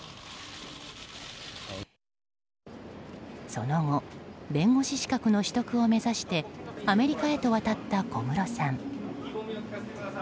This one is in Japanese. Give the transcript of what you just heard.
その後弁護士資格の取得を目指してアメリカへと渡った小室さん。